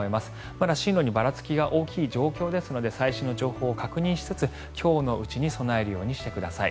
まだ進路にばらつきが大きい状況ですので最新の情報を確認しつつ今日のうちに備えるようにしてください。